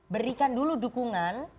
berikan dulu dukungan